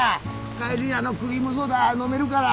帰りにクリームソーダ飲めるから。